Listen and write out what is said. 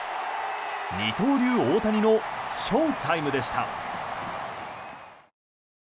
二刀流・大谷のショータイムでした。